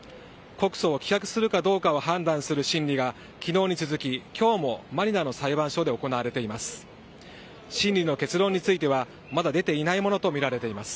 告訴を棄却するかどうかを判断する審理が、きのうに続き、きょうもマニラの裁判所で行われています。